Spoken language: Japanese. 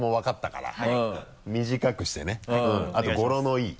あと語呂のいい。